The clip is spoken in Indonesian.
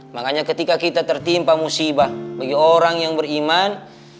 makanya ketika kita tertimpa musibah bagi orang yang beriman